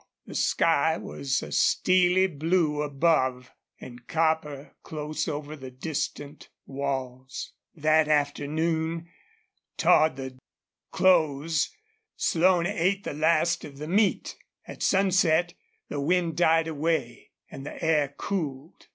The sky was a steely blue above and copper close over the distant walls. That afternoon, toward the close, Slone ate the last of the meat. At sunset the wind died away and the air cooled.